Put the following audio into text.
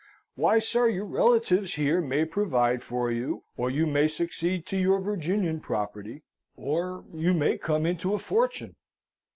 Why, sir, your relatives here may provide for you, or you may succeed to your Virginian property, or you may come into a fortune!"